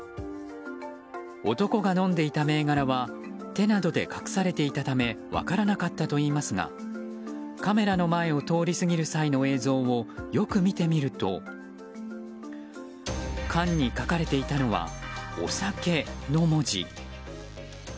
男が飲んでいた銘柄は手などで隠されていたため分からなかったといいますがカメラの前を通り過ぎる際の映像をよく見てみると缶に書かれていたのはお酒の文字。